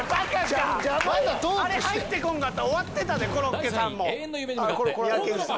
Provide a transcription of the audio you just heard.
あれ入って来んかったら終わってたでコロッケさんも。